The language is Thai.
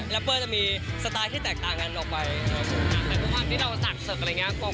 แรปเปอร์ลจะมีสตาร์ทที่แตกต่างกันออกไปแต่ความที่เราสั่งสึกอะไรอย่างเงี้ย